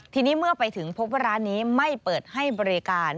ทีนี้เมื่อไปถึงพบว่าร้านนี้ไม่เปิดให้บริการ